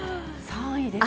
３位ですか。